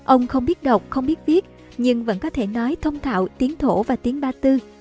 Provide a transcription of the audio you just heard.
ông không biết đọc không biết viết nhưng vẫn có thể nói thông thạo tiếng thổ và tiếng ba tư